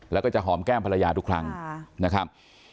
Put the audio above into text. แล้วก็จะหอมแก้มภรรยาทุกครั้งนะครับ